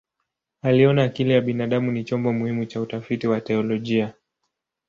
Aliona akili ya binadamu ni chombo muhimu cha utafiti wa teolojia.